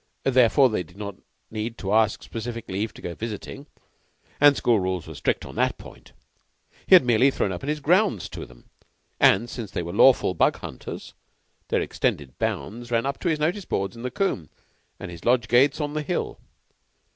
Therefore, they did not need to ask specific leave to go visiting; and school rules were strict on that point. He had merely thrown open his grounds to them; and, since they were lawful Bug hunters, their extended bounds ran up to his notice boards in the combe and his Lodge gates on the hill.